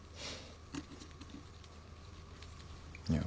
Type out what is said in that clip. いや。